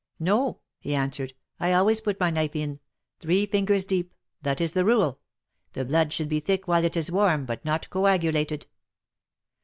"No," he answered, "I always put my knife in, three fingers deep — that is the rule. The blood should be thick while it is warm, but not coagulated."